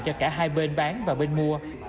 cho cả hai bên bán và bên mua